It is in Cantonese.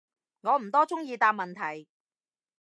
我唔多中意答問題